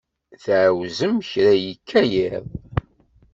Tɛawzem kra yekka yiḍ?